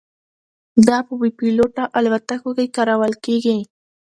دا په بې پیلوټه الوتکو کې کارول کېږي.